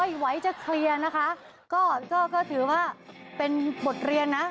ไม่ไหวจะเคลียร์นะคะก็ก็ถือว่าเป็นบทเรียนนะ